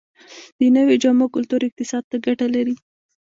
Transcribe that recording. د نویو جامو کلتور اقتصاد ته ګټه لري؟